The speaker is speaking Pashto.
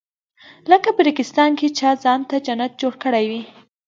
لکه په ریګستان کې چا ځان ته جنت جوړ کړی وي.